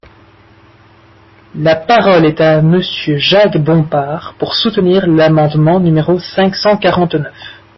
La parole est à Monsieur Jacques Bompard, pour soutenir l’amendement numéro cinq cent quarante-neuf.